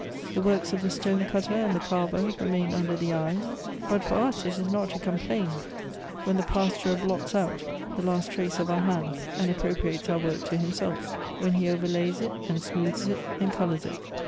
The works of the stone cutter and the carver remain under the eyes ; but for us it is not to complain when the plasterer blots out the last 76 Goethe's trace of our bands, and appropriates our work to himself; when he overlays it, and smoothes it, and colors it.